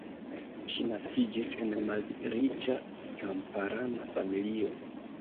Ŝi naskiĝis en malriĉa kamparana familio.